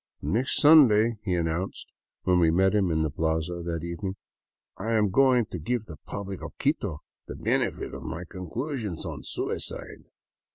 " Next Sunday," he announced, when we met him in the plaza that evening, " I am going to give the public of Quito the benefit of my conclusions on suicide.